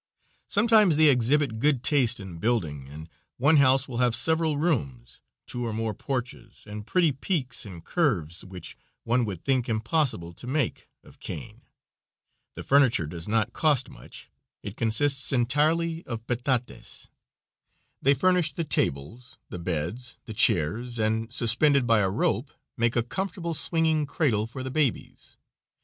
Sometimes they exhibit good taste in building and one house will have several rooms, two or more porches and pretty peaks and curves which one would think impossible to make of cane; the furniture does not cost much, it consists entirely of petates; they furnish the tables, the beds, the chairs, and, suspended by a rope, make a comfortable swinging cradle for the babies.